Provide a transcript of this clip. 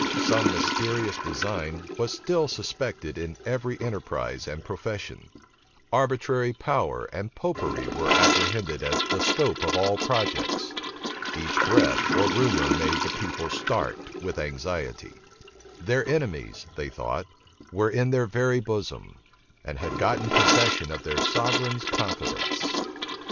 Some mysterious design was still suspected in every enterprise and profession: arbitrary power and Popery were apprehended as the scope of all projects: each breath or rumor made the people start with anxiety: their enemies, they thought, were in their very bosom, and had gotten possession of their sovereign's confidence.